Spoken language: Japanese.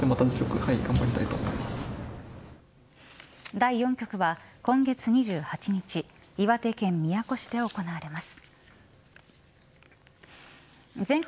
第４局は今月２８日岩手県宮古市で行われます。